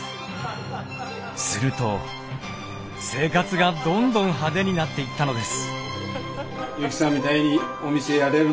すると生活がどんどん派手になっていったのです。